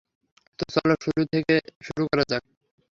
তো, চলো শুরু থেকে শুরু করা যাক।